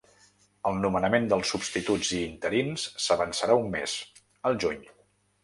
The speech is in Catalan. El nomenament dels substituts i interins s’avançarà un mes, al juny.